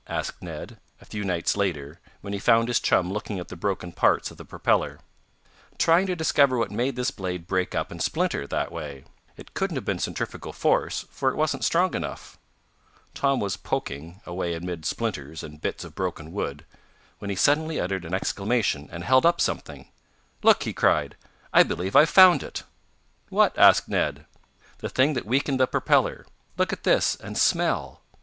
asked Ned, a few nights later, when he found his chum looking at the broken parts of the propeller. "Trying to discover what made this blade break up and splinter that way. It couldn't have been centrifugal force, for it wasn't strong enough." Tom was "poking" away amid splinters, and bits of broken wood, when he suddenly uttered an exclamation, and held up something. "Look!" he cried. "I believe I've found it." "What?" asked Ned. "The thing that weakened the propeller. Look at this, and smell!"